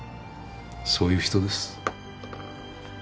そういう人です。